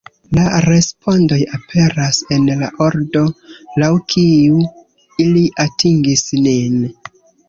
La respondoj aperas en la ordo laŭ kiu ili atingis nin.